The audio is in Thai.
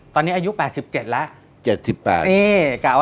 ตอนนี้อายุ๘๗แล้ว